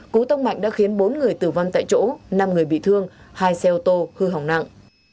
cú tông mạnh đã khiến bốn người tử vong tại chỗ năm người bị thương hai xe ô tô hư hỏng nặng